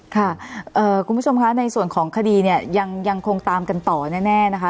ค่ะคุณผู้ชมคะในส่วนของคดีเนี่ยยังคงตามกันต่อแน่นะคะ